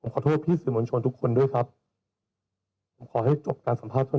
ขอโทษพี่สื่อมวลชนทุกคนด้วยครับผมขอให้จบการสัมภาษณ์ท่าน